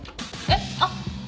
えっ？あっ。